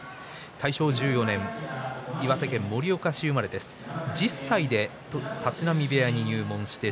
大正１４年岩手県盛岡市生まれ１０歳で立浪部屋に入門しました。